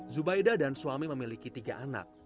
zubaida dan suami memiliki tiga anak